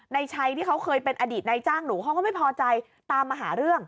ในชัยที่เขาเคยเป็นอดีตนายจ้างหนูเขาก็ไม่พอใจตามมาหาเรื่อง